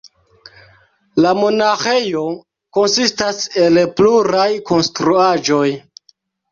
La monaĥejo konsistas el pluraj konstruaĵoj.